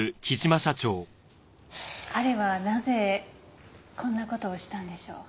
彼はなぜこんな事をしたんでしょう？